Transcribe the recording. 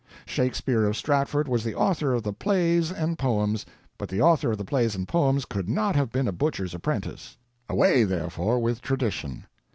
Shakespeare of Stratford was the author of the Plays and Poems, but the author of the Plays and Poems could not have been a butcher's apprentice. Away, therefore, with tradition.